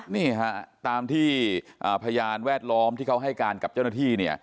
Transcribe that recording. นี่ฮะตามที่พยานแวดล้อมที่เขาให้การกับเจ้าหน้าที่